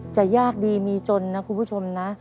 จะยากดีมีจนนะคุณผู้ชมนะ